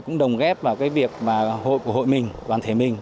cũng lồng ghép vào việc của hội mình đoàn thể mình